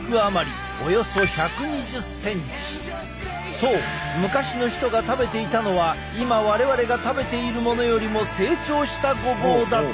そう昔の人が食べていたのは今我々が食べているものよりも成長したごぼうだったのだ。